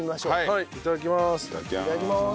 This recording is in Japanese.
はいいただきます。